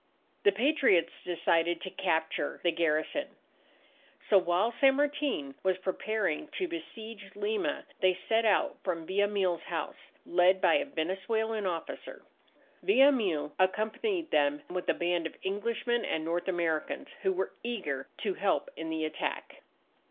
The Patriots decided to capture the garrison. So while San Martin was preparing to besiege Lima, they set out from Villamil's house, led by a Venezuelan officer. Villamil accompanied them with a band of Englishmen and North Americans, who were eager to help in the attack.